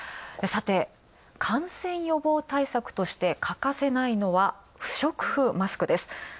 さて、感染予防対策として欠かせないのは不織布マスクです。